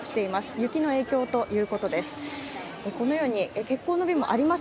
雪の影響ということです。